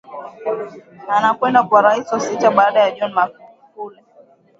Anakwenda kuwa Rais wa Sita baada ya John Magufuli